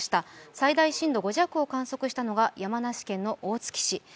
最大震度５弱を観測したのが山梨県大月市。